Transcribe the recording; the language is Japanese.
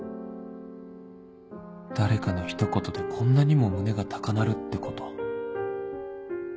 誰かの一言でこんなにも胸が高鳴るってこと